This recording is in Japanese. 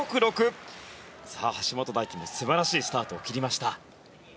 橋本大輝も素晴らしいスタートを切りました。